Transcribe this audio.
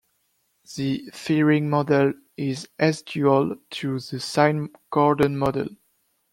The Thirring model is S-dual to the sine-Gordon model.